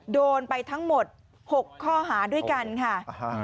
โดนไปทั้งหมด๖ข้อหาด้วยกันค่ะ